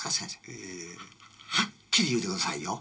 ええ。はっきり言うてくださいよ。